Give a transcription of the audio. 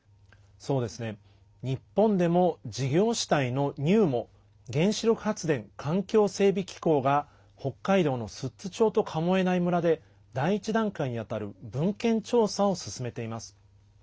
日本でも事業主体のＮＵＭＯ＝原子力発電環境整備機構が北海道の寿都町と神恵内村で第１段階に当たる文献調査を進めています。